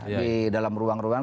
di dalam ruang ruang